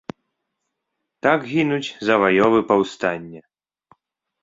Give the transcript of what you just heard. Так гінуць заваёвы паўстання.